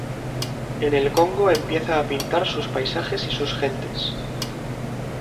En el Congo empieza a pintar sus paisajes y sus gentes.